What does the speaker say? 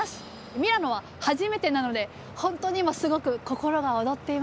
ミラノは初めてなので本当に今すごく心が躍っています。